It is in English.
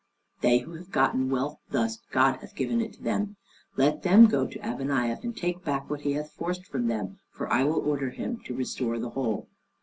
They who have gotten wealth thus, God hath given it them; let them go to Abeniaf, and take back what he hath forced from them, for I will order him to restore the whole."